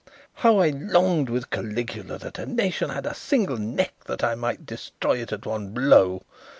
How I longed with Caligula that a nation had a single neck that I might destroy it at one blow.